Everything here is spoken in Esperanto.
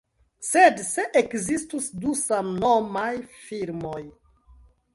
Sed, se ekzistus du samnomaj firmoj?